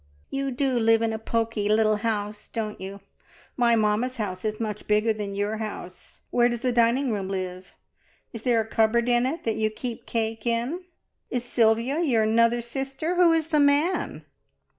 "You do live in a poky little house, don't you? My mamma's house is much bigger than your house. Where does the dining room live? Is there a cupboard in it that you keep cake in? Is Sylvia your 'nother sister? Who is the man?"